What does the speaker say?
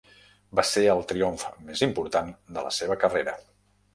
Va ser el triomf més important de la seva carrera.